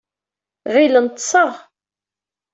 Ɣilen ḍḍseɣ.